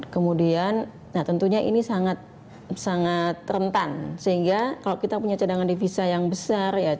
kemudian tentunya ini sangat rentan sehingga kalau kita punya cadangan devisa yang besar